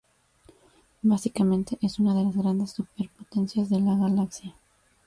Básicamente es una de las grandes superpotencias de la Galaxia.